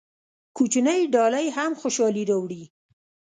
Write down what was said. کوچنۍ ډالۍ هم خوشحالي راوړي.